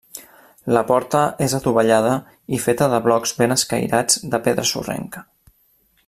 La porta és adovellada i feta de blocs ben escairats de pedra sorrenca.